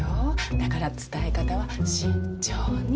だから伝え方は慎重に。